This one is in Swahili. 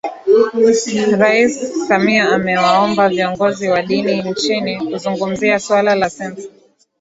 Rais Samia amewaomba viongozi wa dini nchini kuzungumzia suala la Sensa